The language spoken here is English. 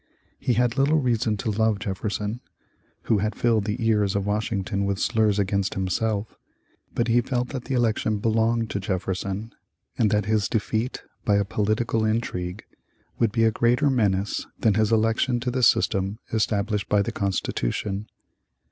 He had little reason to love Jefferson, who had filled the ears of Washington with slurs against himself, but he felt that the election belonged to Jefferson and that his defeat by a political intrigue would be a greater menace than his election to the system established by the Constitution.